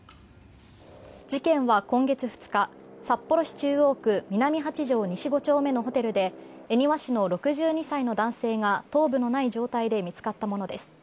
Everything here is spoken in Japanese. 事件は今月２日札幌市中央区南八条西５丁目のホテルで恵庭市の６２歳の男性が頭部のない状態で見つかったものです。